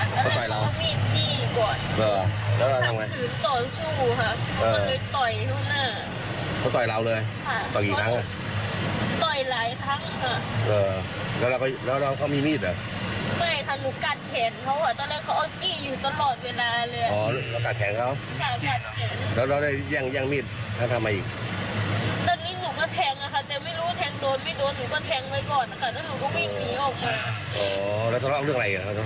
อีกฝ่ายยิงให้ไปครั้งแรกก่อนยี่สิบบาทแต่ว่าอีกฝ่ายไม่พอใจโชคเข้าที่หน้าอีกฝ่ายไม่ออกจากนั้นจ้วงแทงสวนเข้าไปแล้วก็วิ่งหนีออกจากนั้นจ้วง